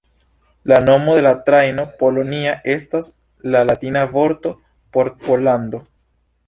La nomo de la trajno, "Polonia", estas la latina vorto por "Pollando".